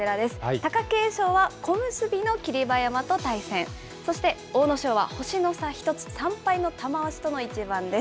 貴景勝は小結の霧馬山と対戦、そして阿武咲は星の差１つ、３敗の玉鷲との一番です。